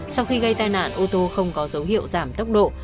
sau khi gây tai nạn ô tô không có dấu hiệu giảm tốc độ